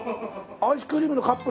アイスクリームのカップなんだ。